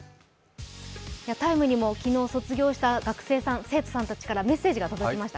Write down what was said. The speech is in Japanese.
「ＴＩＭＥ，」にも昨日、卒業した学生さん、生徒さんからコメントが届きました。